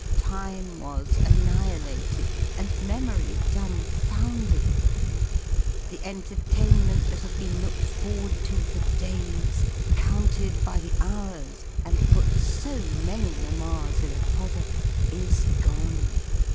Time was annihilated, and memory dumbfounded! The entertainment that had been looked forward to for days, counted by the hours, and put so many mammas in a pother, is gone!